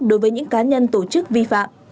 đối với những cá nhân tổ chức vi phạm